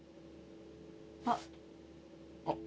あっ。